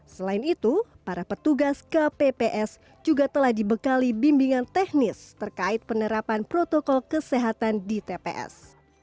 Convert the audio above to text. selain itu para petugas kpps juga telah dibekali bimbingan teknis terkait penerapan protokol kesehatan di tps